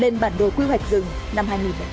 lên bản đồ quy hoạch rừng năm hai nghìn tám